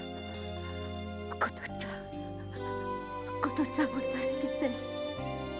お琴ちゃんお琴ちゃんを助けて！